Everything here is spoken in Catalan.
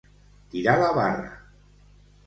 Tirar la barra.